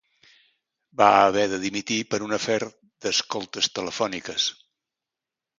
Va haver de dimitir per un afer d'escoltes telefòniques.